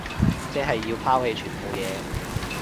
即係要拋棄全部嘢